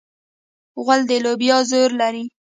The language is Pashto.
غول د لوبیا زور لري.